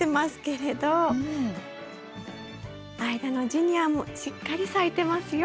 間のジニアもしっかり咲いてますよ。